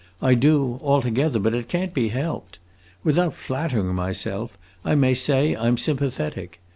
I do, altogether; but it can't be helped. Without flattering myself, I may say I 'm sympathetic.